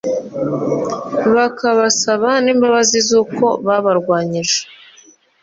bakabasaba n'imbabazi z'uko babarwanyije